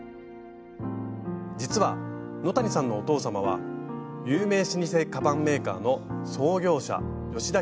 実は野谷さんのお父様は有名老舗カバンメーカーの創業者吉田吉蔵さん。